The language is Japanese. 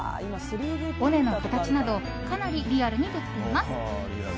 尾根の形などかなりリアルにできています。